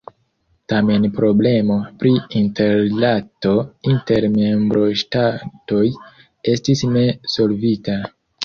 Tamen problemo pri interrilato inter membroŝtatoj estis ne solvita.